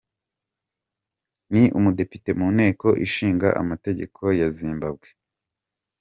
Ni umudepite mu nteko ishinga amategeko ya Zimbabwe.